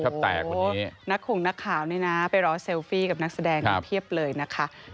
ค่ะโอ้โหนักขุมนักข่าวนี่นะไปรอเซลฟี่กับนักแสดงมาเทียบเลยนะคะ